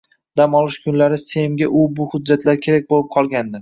dam olish kunlari Semga u-bu hujjatlari kerak boʻlib qolgandi.